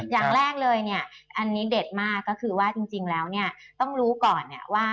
อย่างแรกเลยเนี่ยอันนี้เด็ดมากก็คือว่าจริงแล้วต้องรู้ก่อน